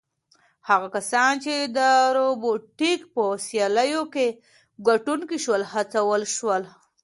هغه کسان چې د روبوټیک په سیالیو کې ګټونکي شول هڅول شول.